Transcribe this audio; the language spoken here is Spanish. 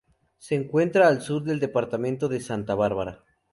Se encuentra al sur del departamento de Santa Barbara.